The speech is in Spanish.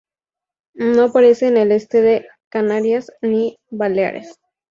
No aparece en el Este de Canarias ni Baleares.